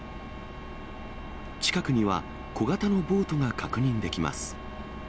近くには、小型のボートが確認できます。